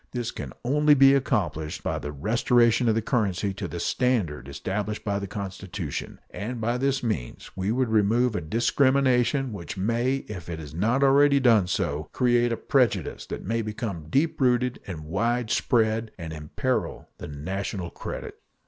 This can only be accomplished by the restoration of the currency to the standard established by the Constitution, and by this means we would remove a discrimination which may, if it has not already done so, create a prejudice that may become deep rooted and widespread and imperil the national credit.